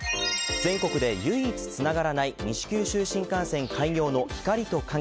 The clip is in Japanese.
全国で唯一つながらない西九州新幹線開業の光と影。